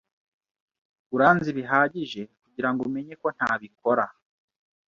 Uranzi bihagije kugirango umenye ko ntabikora.